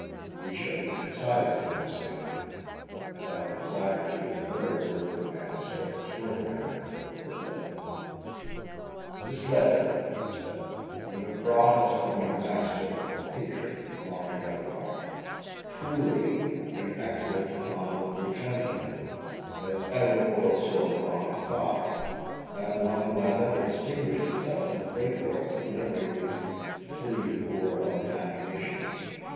We shall be as concise in our statement, as our desire to give the very words of a man so extraordinary will permit. "This letter," he said, "you have brought us from your master, or patron, Markham Everard; truly an excellent and honourable gentleman as ever bore a sword upon his thigh, and one who hath ever distinguished himself in the great work of delivering these three poor unhappy nations.